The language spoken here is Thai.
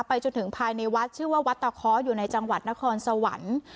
จนถึงภายในวัดชื่อว่าวัดตะเคาะอยู่ในจังหวัดนครสวรรค์